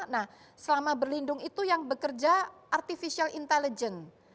nah selama berlindung itu yang bekerja artificial intelligence